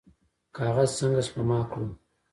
کاغذ څنګه سپما کړو؟